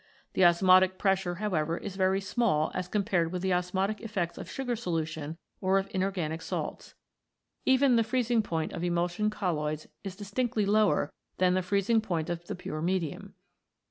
The osmotic pressure, however, is very small as compared with the osmotic effects of sugar solution or of inorganic salts. Even the freezing point of emulsion colloids is dis tinctly lower than the freezing point of the pure medium.